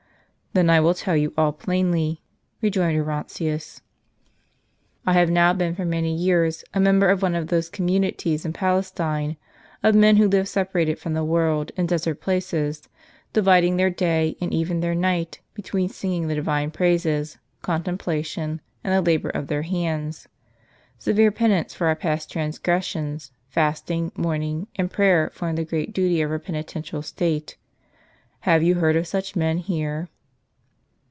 " Then I will tell you all plainly," rejoined Orontius. " I have now been for many years a member of one of those com munities in Palestine, of men who live separated from the world in desert places, dividing their day, and even their night, between singing the Divine praises, contemplation, and the labor of their hands. Severe penance for our past transgressions, fasting, mourning, and prayer form the great duty of our penitential state. Have you heard of such men here?"